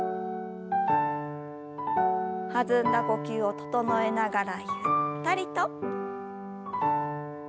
弾んだ呼吸を整えながらゆったりと。